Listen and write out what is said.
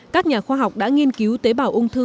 các nhà khoa học đã nghiên cứu tế bào ung thư